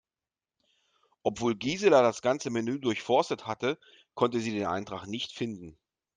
Obwohl Gisela das ganze Menü durchforstet hatte, konnte sie den Eintrag nicht finden.